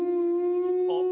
あっ。